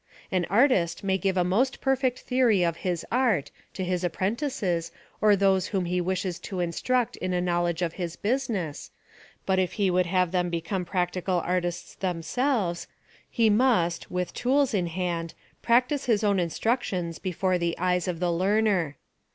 An artist may give a most perfect theory of his art, to his apprentices, or those whom he wishes to in struct in a knowledge of his business, but if he would have them become practical artists them selves, he must, with tools in hand, practise his own instructions before the eyes of the learner.